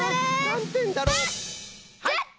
はい！